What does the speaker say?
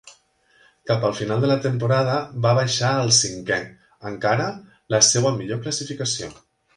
Cap al final de la temporada, va baixar al cinquè, encara la seva millor classificació.